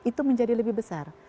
itu menjadi lebih besar